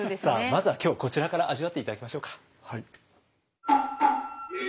まずは今日こちらから味わって頂きましょうか。